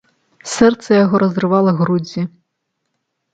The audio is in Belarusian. Сэрца яго разрывала грудзі.